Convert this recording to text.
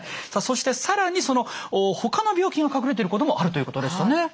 さあそして更に他の病気が隠れていることもあるということでしたね。